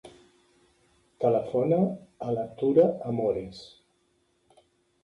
Telefona a la Tura Amores.